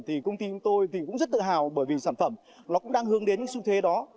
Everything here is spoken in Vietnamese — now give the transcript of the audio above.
thì công ty của tôi thì cũng rất tự hào bởi vì sản phẩm nó cũng đang hướng đến những xu thế đó